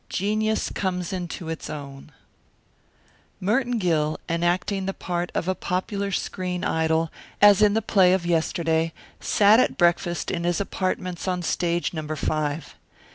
GENIUS COMES INTO ITS OWN Merton Gill, enacting the part of a popular screen idol, as in the play of yesterday, sat at breakfast in his apartments on Stage Number Five.